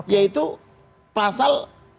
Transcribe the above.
yaitu pasal lima puluh enam